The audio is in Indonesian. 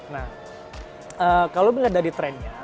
nah kalau melihat dari trennya